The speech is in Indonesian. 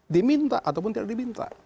diminta ataupun tidak diminta